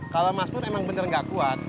kalau mas pur emang bener gak kuat